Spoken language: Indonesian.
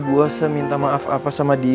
gue seminta maaf apa sama dia